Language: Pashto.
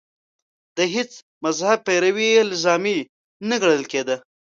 د هېڅ مذهب پیروي الزامي نه ګڼل کېده